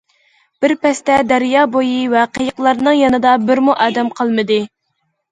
بىر پەستە دەريا بويى ۋە قېيىقلارنىڭ يېنىدا بىرمۇ ئادەم قالمىدى.